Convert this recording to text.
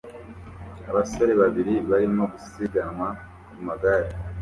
Abasore babiri barimo gusiganwa ku magare